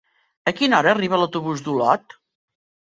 A quina hora arriba l'autobús d'Olot?